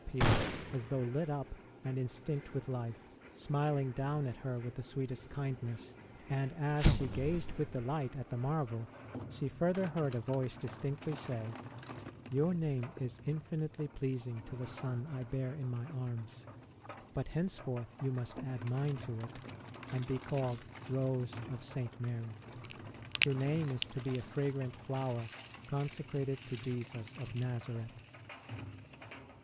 ROSE S CHILDHOOD 47 appear as though lit up and instinct with life, smiling down at her with the sweetest kindness ; and as she gazed with delight at the marvel, she further heard a voice distinctly say : Your name is infinitely pleasing to the Son I bear in my arms ; but henceforth you must add mine to it, and be called Rose of St. Alary. Your name is to be a fragrant flower, consecrated to Jesus of Nazareth.